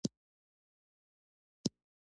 ازادي راډیو د د کانونو استخراج ستر اهميت تشریح کړی.